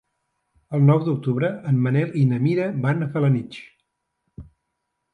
El nou d'octubre en Manel i na Mira van a Felanitx.